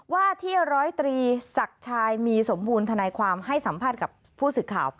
ว่าที่ร้อยตรีศักดิ์ชายมีสมบูรณธนายความให้สัมภาษณ์กับผู้สื่อข่าว